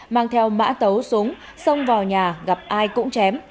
mang theo mã tấu súng xông vào nhà gặp ai cũng chém